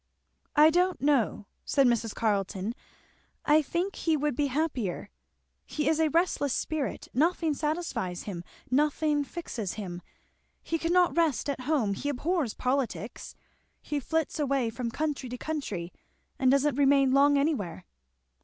"I don't know," said Mrs. Carleton, "I think he would be happier. He is a restless spirit nothing satisfies him nothing fixes him. He cannot rest at home he abhors politics he flits way from country to country and doesn't remain long anywhere."